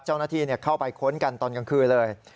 เจ้าหน้าที่เข้าไปค้นกันตอนกลางคืนเลย